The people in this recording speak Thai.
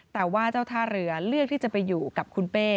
แต่ว่าเจ้าท่าเรือเลือกที่จะไปอยู่กับคุณเป้